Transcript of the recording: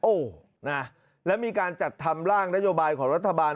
โอ้โหนะแล้วมีการจัดทำร่างนโยบายของรัฐบาล